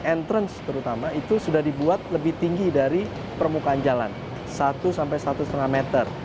entrance terutama itu sudah dibuat lebih tinggi dari permukaan jalan satu sampai satu lima meter